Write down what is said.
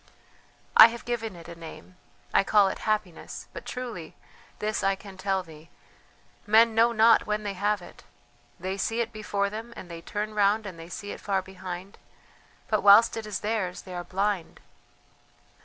"I have given it a name. I call it Happiness; but truly this I can tell thee: men know not when they have it ... they see it before them, and then they turn round and they see it far behind ... but whilst it is theirs they are blind.